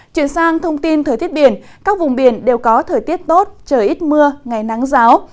chuyển sang thông tin thời tiết biển các vùng biển đều có thời tiết tốt trời ít mưa ngày nắng giáo